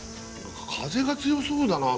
風が強そうだな